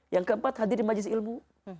yang keempat hadir di majelis ilmu